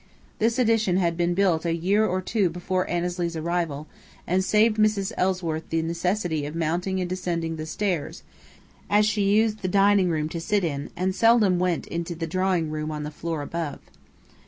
This addition had been built a year or two before Annesley's arrival, and saved Mrs. Ellsworth the necessity of mounting and descending the stairs, as she used the dining room to sit in and seldom went into the drawing room on the floor above.